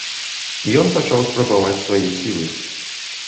Ён пачаў спрабаваць свае сілы.